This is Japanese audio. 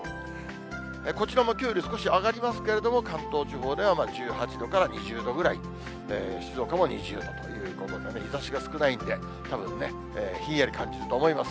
こちらもきょうより少し上がりますけれども、関東地方では１８度から２０度ぐらい、静岡も２０度ということでね、日ざしが少ないんで、たぶんね、ひんやり感じると思います。